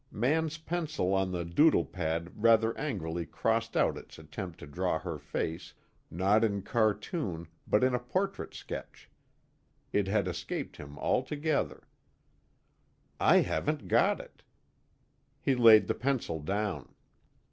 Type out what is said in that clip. Mann's pencil on the doodle pad rather angrily crossed out its attempt to draw her face, not in cartoon but in a portrait sketch. It had escaped him altogether. I haven't got it. He laid the pencil down.